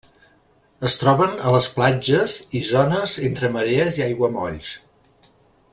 Es troben a les platges i zones entre marees i aiguamolls.